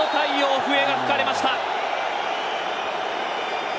笛が吹かれました。